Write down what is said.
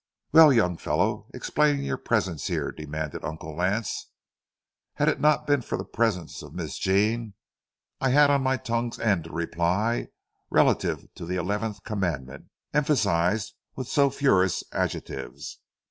"Well, young fellow, explain your presence here," demanded Uncle Lance. Had it not been for the presence of Miss Jean, I had on my tongue's end a reply, relative to the eleventh commandment, emphasized with sulphurous adjectives.